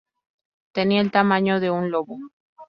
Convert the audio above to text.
Tenía el tamaño de un lobo.